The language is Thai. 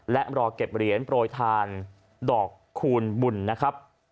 และรอเก็บเหรียญโปรยทานดอกคูณบุญนะครับ